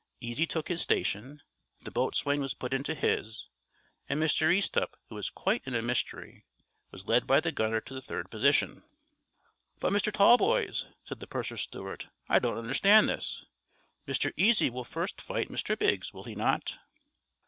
Easy took his station, the boatswain was put into his, and Mr. Easthupp, who was quite in a mystery, was led by the gunner to the third position. "But, Mr. Tallboys," said the purser's steward, "I don't understand this. Mr. Easy will first fight Mr. Biggs, will he not?"